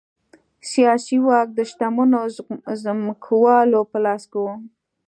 سیاسي واک د شتمنو ځمکوالو په لاس کې و.